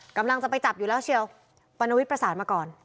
กำลังจะไปจับอยู่แล้วเชียวปรณวิทย์ประสานมาก่อน